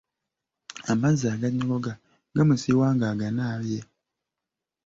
Amazzi aganyogoga gamusiiwa ng'aganaabye.